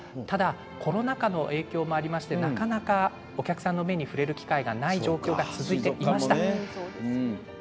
ただコロナ禍の影響もありましてなかなかお客さんの目に触れる機会がない続いていました。